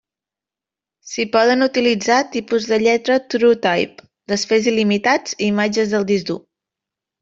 S'hi poden utilitzar tipus de lletra TrueType, desfés il·limitats i imatges del disc dur.